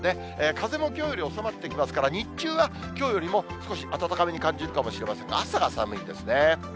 風もきょうより収まってきますから、日中はきょうよりも少し暖かめに感じるかもしれませんが、朝が寒いんですね。